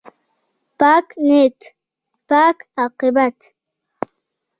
پاک نیت، پاک عاقبت.